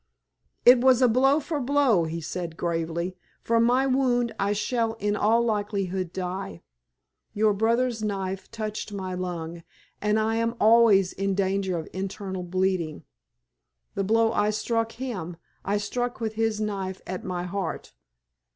"It was a blow for a blow," he said, gravely. "From my wound I shall in all likelihood die. Your brother's knife touched my lung, and I am always in danger of internal bleeding. The blow I struck him, I struck with his knife at my heart.